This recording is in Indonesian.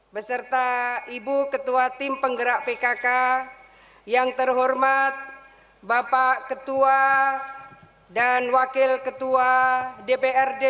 beserta ibu ketua tim penggerak pkk yang terhormat bapak ketua dan wakil ketua dprd